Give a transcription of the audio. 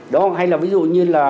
đó hay là ví dụ như là